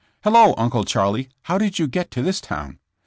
''Hello, Uncle Charlie! how did you get to this town?"